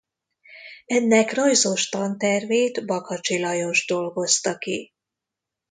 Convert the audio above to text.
Ennek rajzos tantervét Bakacsi Lajos dolgozta ki.